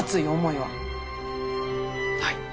はい。